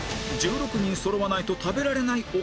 １６人そろわないと食べられないお粥